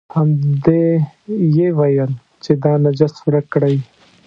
همدې یې ویل چې دا نجس ورک کړئ.